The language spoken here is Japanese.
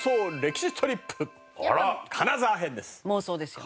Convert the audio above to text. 妄想ですよ。